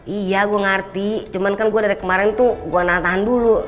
iya gue ngerti cuman kan gue dari kemarin tuh gue nah tahan dulu